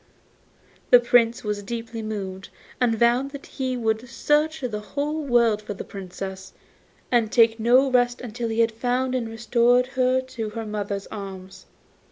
The Prince was deeply moved, and vowed that he would search the world for the Princess, and take no rest till he had found and restored her to her mother's arms.